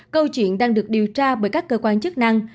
câu chuyện đang được điều tra bởi các cơ quan chức năng